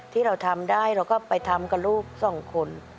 ที่เราทำได้เราก็ไปทำกับลูกสองคน